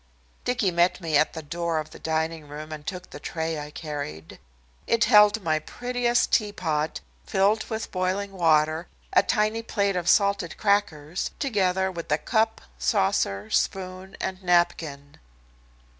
Dicky met me at the door of the dining room and took the tray I carried. It held my prettiest teapot filled with boiling water, a tiny plate of salted crackers, together with cup, saucer, spoon and napkin.